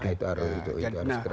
itu harus kena